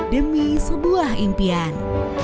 demi sebuah impian